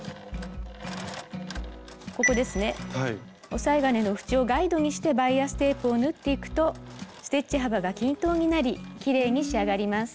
おさえ金のふちをガイドにしてバイアステープを縫っていくとステッチ幅が均等になりきれいに仕上がります。